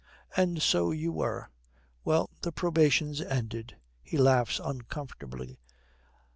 'And so you were. Well, the probation's ended.' He laughs uncomfortably.